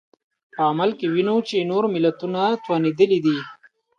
په عمل کې وینو چې نور ملتونه توانېدلي دي.